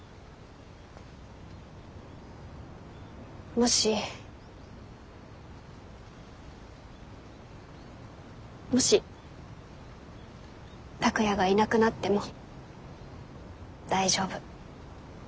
もしもし拓哉がいなくなっても大丈夫。